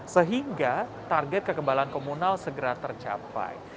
sehingga target kekebalan komunal segera tercapai